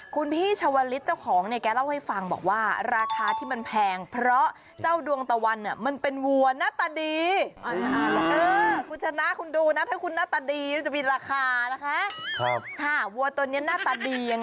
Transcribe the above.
คุณพี่ชาวลิศเจ้าของเนี่ยแกเล่าให้ฟังบอกว่าราคาที่มันแพงเพราะเจ้าดวงตะวันเนี่ยมันเป็นวัวหน้าตาดียังไง